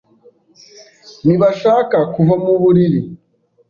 Ntibashaka kuva mu buriri.